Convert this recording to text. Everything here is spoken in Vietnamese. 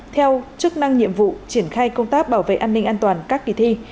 theo chức năng nhiệm vụ triển khai công tác bảo vệ an ninh an toàn các kỳ thi